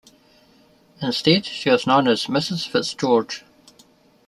Instead, she was known as "Mrs FitzGeorge".